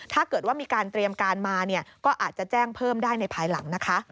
ถ้าเกิดว่ามีการเตรียมการมาก็อาจจะแจ้งเพิ่มได้ในภายหลังนะคะ